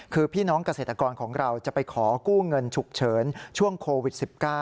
คือพี่น้องเกษตรกรของเราจะไปขอกู้เงินฉุกเฉินช่วงโควิด๑๙